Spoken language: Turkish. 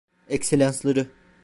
Ekselansları.